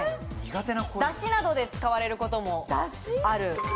ダシなどで使われることもある。